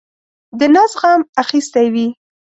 د نس غم اخیستی وي.